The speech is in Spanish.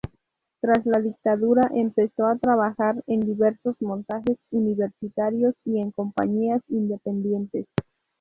Tras la dictadura empezó a trabajar en diversos montajes universitarios y en compañías independientes.